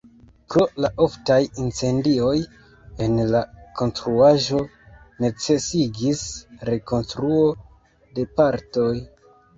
Pro la oftaj incendioj en la konstruaĵo necesigis rekonstruo de partoj.